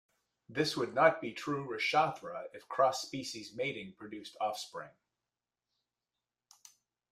This would not be true rishathra if cross species mating produced offspring.